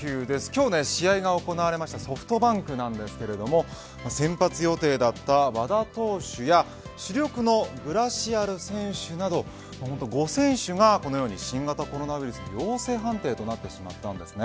今日、試合が行われたソフトバンクなんですが先発予定だった和田投手や主力のグラシアル選手など５選手がこのように新型コロナウイルス陽性判定となってしまったんです。